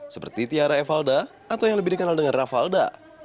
seperti tiara evalda atau yang lebih dikenal dengan ravalda